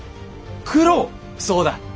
そうだ。